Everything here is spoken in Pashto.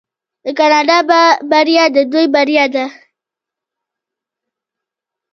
د کاناډا بریا د دوی بریا ده.